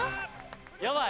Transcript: やばい。